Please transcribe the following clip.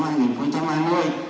và xin ba gia đình